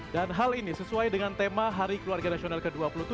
dan hal ini sesuai dengan tema hari keluarga nasional ke dua puluh tujuh